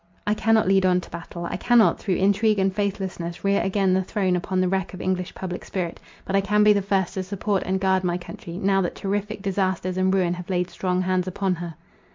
I cannot lead on to battle; I cannot, through intrigue and faithlessness rear again the throne upon the wreck of English public spirit. But I can be the first to support and guard my country, now that terrific disasters and ruin have laid strong hands upon her.